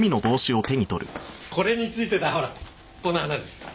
これについてたほらこの花です。